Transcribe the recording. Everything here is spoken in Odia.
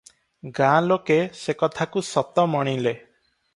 ଗାଁ ଲୋକେ ସେ କଥାକୁ ସତ ମଣିଲେ ।